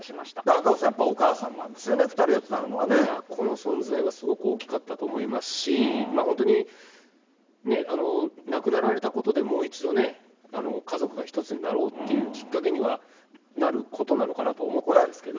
赤星さん、やっぱりお母さんなんですよね、２人をつなぐのはこの存在はすごく大きかったと思いますし、本当に亡くなられたことでもう一度ね、家族が一つになろうっていうきっかけにはなることなのかなと思ったんですけど。